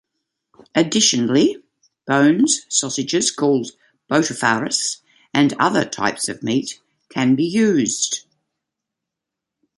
Additionally, bones, sausages called botifarras, and other types of meat, can be used.